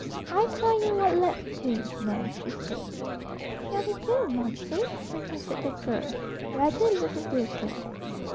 "I tell you what let's do, Nan," she said. "What shall we do, Momsey?" repeated the girl, rather lugubriously.